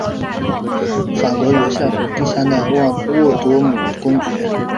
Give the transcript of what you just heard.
法国元帅和第三代旺多姆公爵。